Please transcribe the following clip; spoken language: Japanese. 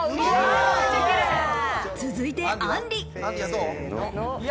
続いて、あんり。